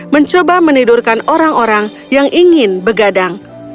mencoba menidurkan orang orang yang ingin begadang